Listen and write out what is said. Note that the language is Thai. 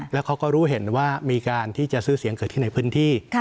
แล้วเขาก็รู้เห็นว่ามีการที่จะซื้อเสียงเกิดขึ้นในพื้นที่